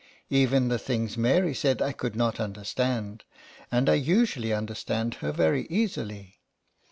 Even the things Mary said I could not understand, and I usually understand her very easily.